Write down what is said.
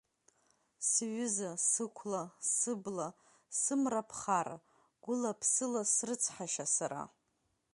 Сҩыза, сықәла, сыбла, сымра ԥхара, гәыла-ԥсыла срыцҳашьа сара.